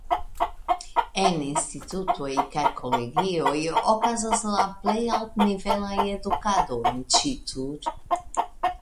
En institutoj kaj kolegioj okazas la plej altnivela edukado en Ĉittur.